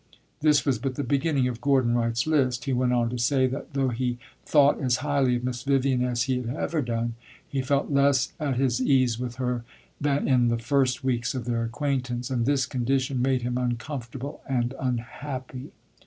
This was but the beginning of Gordon Wright's list; he went on to say that though he "thought as highly" of Miss Vivian as he had ever done, he felt less at his ease with her than in the first weeks of their acquaintance, and this condition made him uncomfortable and unhappy.